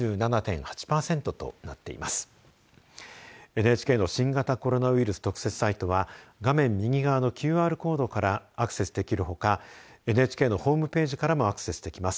ＮＨＫの新型コロナウイルス特設サイトは画面右側のＱＲコードからアクセスできるほかＮＨＫのホームページからもアクセスできます。